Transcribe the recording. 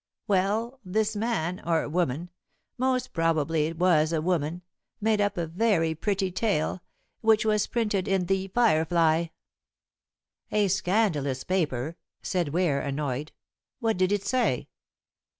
"Well, this man or woman most probably it was a woman made up a very pretty tale, which was printed in The Firefly." "A scandalous paper," said Ware, annoyed. "What did it say?"